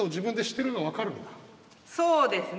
そうですね。